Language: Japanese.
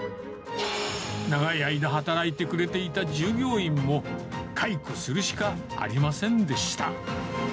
長い間働いてくれていた従業員も解雇するしかありませんでした。